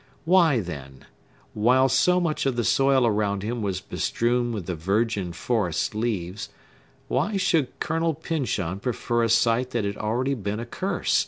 Why, then,—while so much of the soil around him was bestrewn with the virgin forest leaves,—why should Colonel Pyncheon prefer a site that had already been accurst?